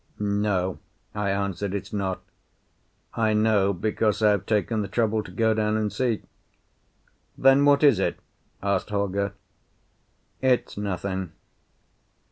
"No," I answered, "it's not. I know, because I have taken the trouble to go down and see." "Then what is it?" asked Holger. "It's nothing."